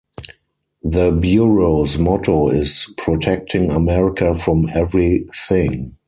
The Bureau's motto is "Protecting America from Every"thing".